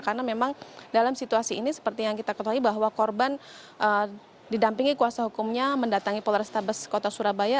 karena memang dalam situasi ini seperti yang kita ketahui bahwa korban didampingi kuasa hukumnya mendatangi polar stabes kota surabaya